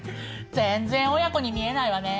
全然母娘に見えないわね。